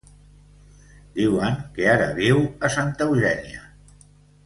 Diuen que ara viu a Santa Eugènia.